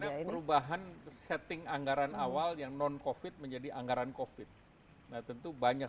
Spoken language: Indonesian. karena perubahan setting anggaran awal yang non covid menjadi anggaran covid tentu banyak